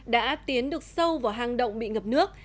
đã tiến được sâu vào hang động bị ngập nước